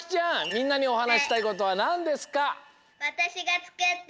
みんなにおはなししたいことはなんですか？